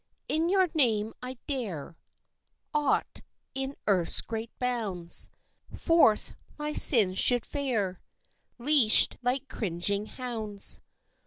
In your name I'd dare Aught in earth's great bounds; Forth my sins should fare, Leashed like cringing hounds.